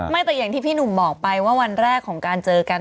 แต่อย่างที่พี่หนุ่มบอกไปว่าวันแรกของการเจอกัน